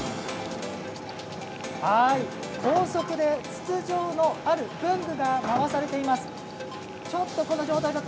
高速で筒状のある文具が回されています。